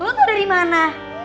lo tau dari mana